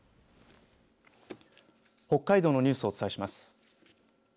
北海道のニュースをお伝えします。